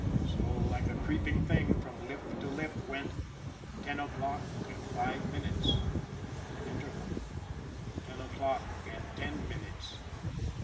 So like a creeping thing, from lip to lip, went: "Ten o'clock and five minutes." (An interval.) "Ten o'clock and ten minutes!"